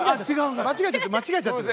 間違えちゃってる間違えちゃってる。